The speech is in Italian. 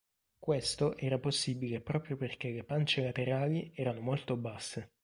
Questo era possibile proprio perché le pance laterali erano molto basse.